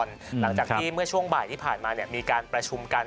หลังจากที่เมื่อช่วงบ่ายที่ผ่านมามีการประชุมกัน